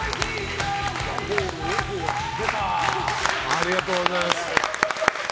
ありがとうございます。